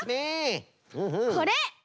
これ！